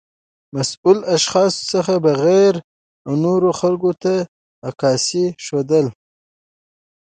د مسؤلو اشخاصو څخه بغیر و نورو خلګو ته د عکاسۍ ښودل